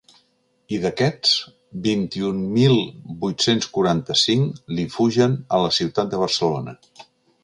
I, d’aquests, vint-i-un mil vuit-cents quaranta-cinc li fugen a la ciutat de Barcelona.